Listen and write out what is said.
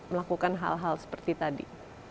melakukan hal hal seperti tadi